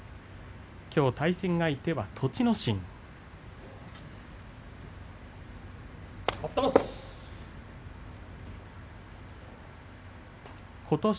きょう対戦相手は栃ノ心。待ったなし。